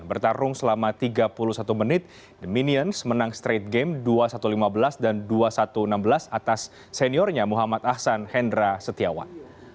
bertarung selama tiga puluh satu menit the minions menang straight game dua satu lima belas dan dua satu enam belas atas seniornya muhammad ahsan hendra setiawan